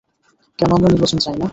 কেন আমরা নির্বাচন চাই না?